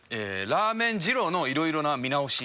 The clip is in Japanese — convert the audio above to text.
ラーメン二郎のいろいろな見直し。